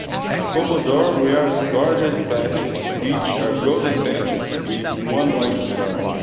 A commodore wears gorget patches which are golden patches with one white star.